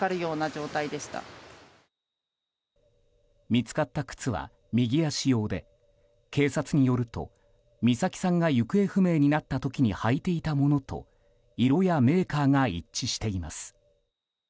見つかった靴は右足用で警察によると美咲さんが行方不明になった時に履いていたものと色やメーカーが一致しています。